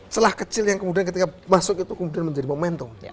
celah kecil yang kemudian ketika masuk itu kemudian menjadi momentum